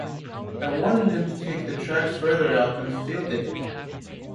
I wanted him to take the tracks further out than Field Day.